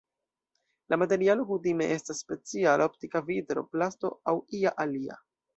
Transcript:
La materialo kutime estas speciala optika vitro, plasto aŭ ia alia.